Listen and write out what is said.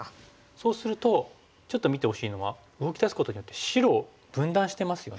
そうするとちょっと見てほしいのは動き出すことによって白を分断してますよね。